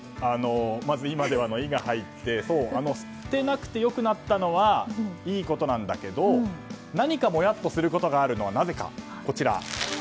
まずは今ではの「イ」が入って捨てなくてよくなったのはいいことなんだけど何かもやっとすることがあるのはなぜか、こちら。